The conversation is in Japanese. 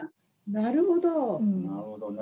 なるほどね。